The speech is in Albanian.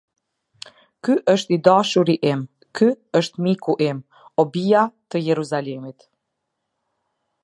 Ky është i dashuri im, ky është miku im, o bija të Jeruzalemit.